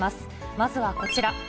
まずはこちら。